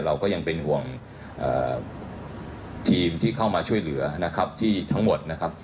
เราก็ยังเป็นห่วงทีมที่เข้ามาช่วยเหลือนะครับที่ทั้งหมดนะครับ